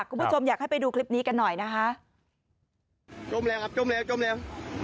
คุณผู้ชมอยากให้ไปดูคลิปนี้กันหน่อยนะคะจมแล้วครับจมแล้วจมแล้ว